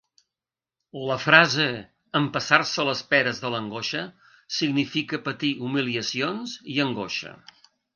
La frase "empassar-se les peres de l'angoixa" significa patir humiliacions i angoixa.